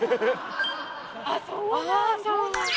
あっそうなんだ。